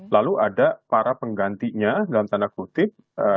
lalu ada para penggantinya dalam tanda kutip